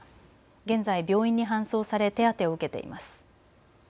現在、病院に搬送され手当てを受けています。